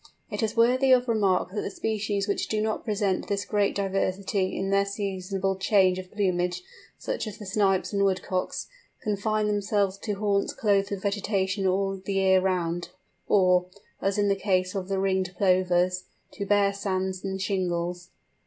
It is worthy of remark that the species which do not present this great diversity in their seasonable change of plumage—such as the Snipes and Woodcocks—confine themselves to haunts clothed with vegetation all the year round; or—as in the case of the Ringed Plovers—to bare sands and shingles.